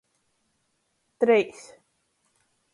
Treis.